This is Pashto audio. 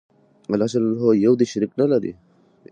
الله ج يو دى شريک نلري